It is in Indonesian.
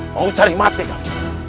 mau cari mati gak